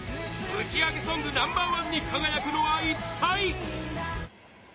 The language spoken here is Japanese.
ぶちアゲソングナンバー１に輝くのは一体？